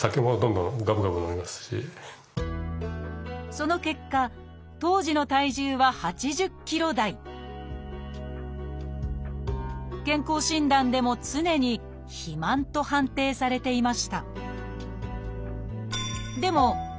その結果当時の健康診断でも常に「肥満」と判定されていました。